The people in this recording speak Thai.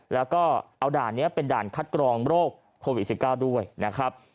แล้วก็เอาด่านนี้เป็นด่านคัดกรองโรคโควิด๑๙ด้วยนะครับ